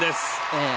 ええ。